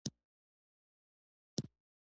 شهرت د ښه توب پوره او بشپړ معیار نه دی.